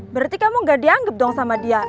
berarti kamu gak dianggap dong sama dia